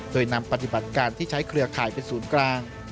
โดยนำปฏิบัติการที่ใช้เครือข่ายเป็นศูนย์กลาง